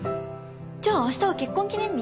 じゃあ明日は結婚記念日？